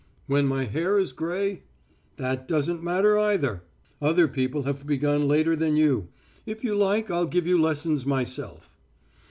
"When my hair is grey?" "That doesn't matter either. Other people have begun later than you. If you like, I'll give you lessons myself."